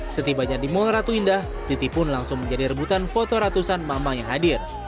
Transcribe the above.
setibanya di mall ratu indah titi pun langsung menjadi rebutan foto ratusan mama yang hadir